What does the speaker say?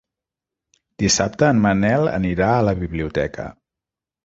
Dissabte en Manel anirà a la biblioteca.